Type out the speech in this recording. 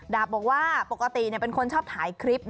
ดาบบอกว่าปกติเป็นคนชอบถ่ายคลิป